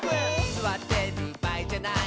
「すわってるばあいじゃない」